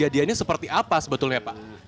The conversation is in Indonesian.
dan ini seperti apa sebetulnya pak